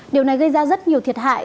điều này gây ra rất nhiều thiệt hại